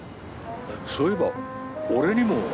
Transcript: そういえば俺にも。